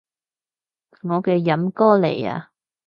我嘅飲歌嚟啊